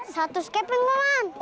satu skeping bapak